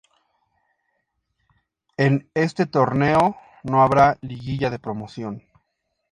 En este Torneo no habrá liguilla de promoción.